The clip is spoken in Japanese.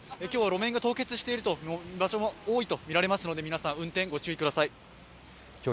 今日、路面が凍結している場所も多いと思いますので、皆さん、運転にご注意ください。